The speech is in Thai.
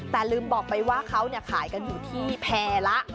แต่ลืมบอกไปว่าเขาขายกันอยู่ที่แพร่ละ